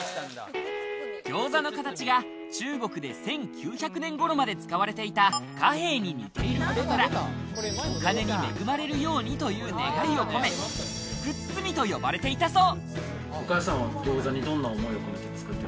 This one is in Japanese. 餃子の形が中国で１９００年頃まで使われていた貨幣に似ていることから、お金に恵まれるようにという願いを込め、福包と呼ばれていたそう。